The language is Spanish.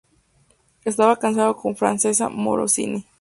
Estaba casado con Francesca Morosini.